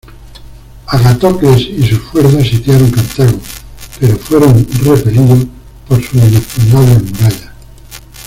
Agatocles y sus fuerzas sitiaron Cartago, pero fueron repelidos por sus inexpugnables murallas.